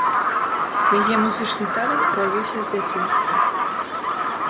Яе музычны талент праявіўся з дзяцінства.